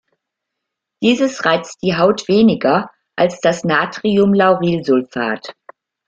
Dieses reizt die Haut weniger als das Natriumlaurylsulfat.